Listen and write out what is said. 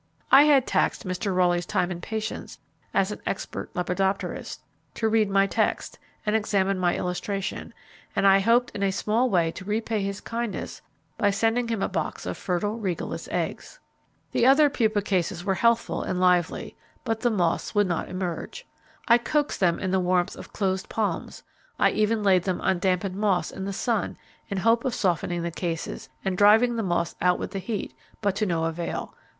I had taxed Mr. Rowley's time and patience as an expert lepidopterist, to read my text, and examine my illustration; and I hoped in a small way to repay his kindness by sending him a box of fertile Regalis eggs. The other pupa cases were healthful and lively, but the moths would not emerge. I coaxed them in the warmth of closed palms I even laid them on dampened moss in the sun in the hope of softening the cases, and driving the moths out with the heat, but to no avail.